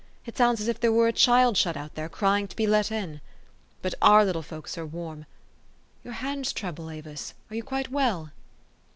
It sounds as if there were a child shut out there, crying to be let in. But our little folks are warm. Your hands tremble, Avis. Are you quite well?"